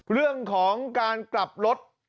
เรื่องของการกลับรถ